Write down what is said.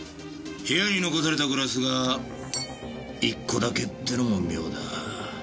部屋に残されたグラスが１個だけってのも妙だ。